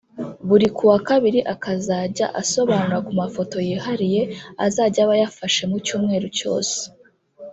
buri kuwa kabiri akazajya asobanura ku mafoto yihariye azajya aba yafashe mu cyumweru cyose